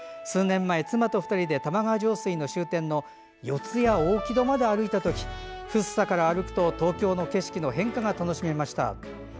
数年前、妻と２人で玉川上水の終点の四谷大木戸まで歩いたとき福生から歩くと東京の景色の変化が楽しめました。